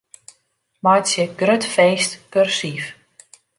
Meitsje 'grut feest' kursyf.